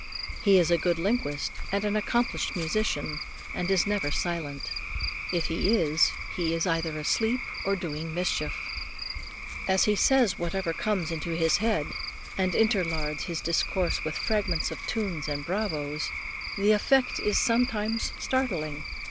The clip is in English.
He is a good linguist and an accomplished musician, and is never silent if he is, he is either asleep or doing mischief. As he says whatever comes into his head, and interlards his discourse with fragments of tunes and Bravos! the effect is at times startling.